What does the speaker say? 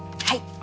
はい。